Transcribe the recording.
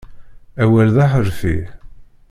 Awal d aḥerfi.